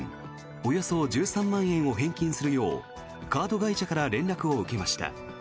およそ１３万円を返金するようカード会社から連絡を受けました。